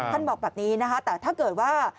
ท่านบอกแบบนี้นะครับแต่ถ้าเกิดว่า